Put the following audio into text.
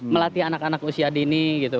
melatih anak anak usia dini gitu